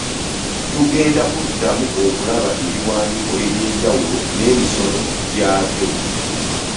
Tugenda kuddako okulaba ebiwandiiko eby'enjawulo n'emisono gya byo.